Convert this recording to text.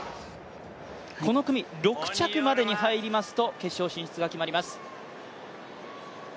この組、６着までに入りますと決勝進出が決まります。